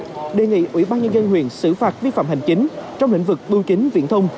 trần văn minh đề nghị ủy ban nhân gian huyện xử phạt vi phạm hành chính trong lĩnh vực bưu kín viễn thông